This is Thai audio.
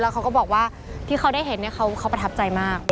แล้วเขาก็บอกว่าที่เขาได้เห็นเขาพัฒนาใจมาก